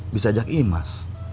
bisa ajak imas